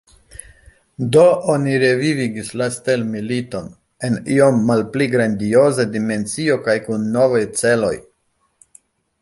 Do oni revivigis la stelmiliton, en iom malpli grandioza dimensio kaj kun novaj celoj.